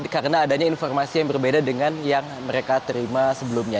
karena adanya informasi yang berbeda dengan yang mereka terima sebelumnya